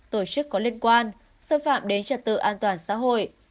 tổ chức có liên quan xâm phạm đến trật tự an toàn xã hội